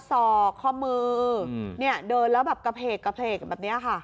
ข้อศอกข้อมือเดินแล้วกระเพกแบบนี้ค่ะ